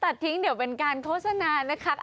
ตัดทิ้งเดี๋ยวเป็นการโฆษณานะคะ